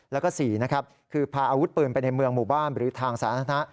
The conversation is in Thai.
แล้วก็๔นะครับคือพาอาวุธปืนไปในเมืองหมู่บ้านหรือทางสาธารณะ